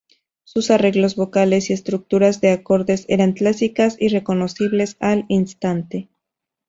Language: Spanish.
Sus arreglos vocales y estructuras de acordes eran clásicas y reconocibles al instante.